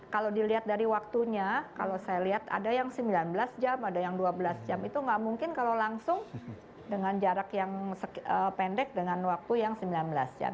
kalau dilihat dari waktunya kalau saya lihat ada yang sembilan belas jam ada yang dua belas jam itu nggak mungkin kalau langsung dengan jarak yang pendek dengan waktu yang sembilan belas jam